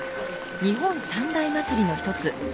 日本三大祭りの一つ